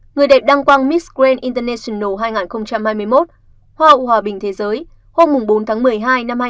người đẹp đăng quang miss grand international hai nghìn hai mươi một hoa hậu hòa bình thế giới